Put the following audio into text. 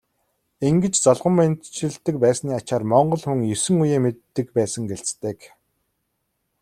Ингэж золгон мэндчилдэг байсны ачаар монгол хүн есөн үеэ мэддэг байсан гэлцдэг.